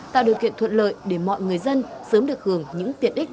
tạo điều kiện thuận lợi để mọi người dân sớm được hưởng những tiện ích